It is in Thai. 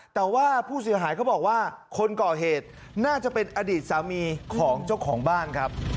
แต่ว่าผู้เสียหายเขาบอกว่าคนก่อเหตุน่าจะเป็นอดีตสามีของเจ้าของบ้านครับ